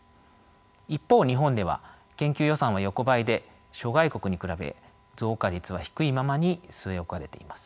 一方日本では研究予算は横ばいで諸外国に比べ増加率は低いままに据え置かれています。